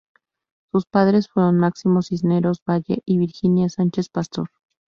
Sus padres fueron Máximo Cisneros Valle y Virginia Sánchez Pastor.